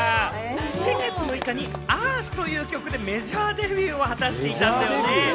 先月６日に『Ｅａｒｔｈ』という曲でメジャーデビューを果たしていたんです。